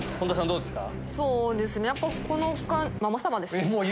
どうですか？